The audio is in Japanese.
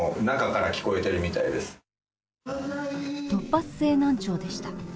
突発性難聴でした。